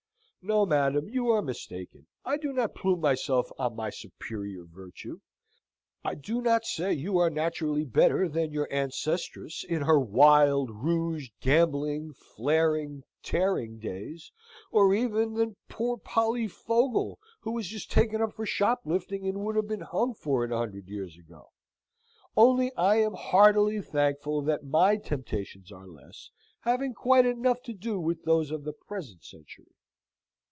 No, madam, you are mistaken; I do not plume myself on my superior virtue. I do not say you are naturally better than your ancestress in her wild, rouged, gambling, flaring tearing days; or even than poor Polly Fogle, who is just taken up for shoplifting, and would have been hung for it a hundred years ago. Only, I am heartily thankful that my temptations are less, having quite enough to do with those of the present century.